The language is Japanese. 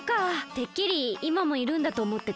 てっきりいまもいるんだとおもってた。